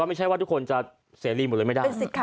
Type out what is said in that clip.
ไม่ใช่ว่าทุกคนจะเสรีหมดเลยไม่ได้